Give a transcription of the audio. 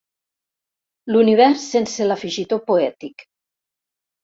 L'univers sense l'afegitó poètic.